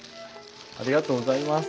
ありがとうございます。